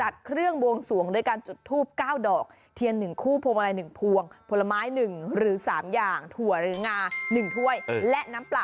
บุหรี่แล้วก็เหล้านะคะ